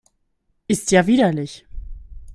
Ist ja widerlich!